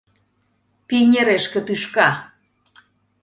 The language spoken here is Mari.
Пийнерешке тӱшка!